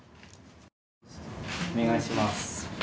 お願いします。